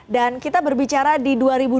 dan kita berbicara di dua ribu dua puluh tiga